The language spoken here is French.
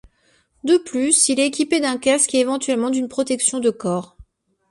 De plus, il est équipé d’un casque et éventuellement d’une protection de corps.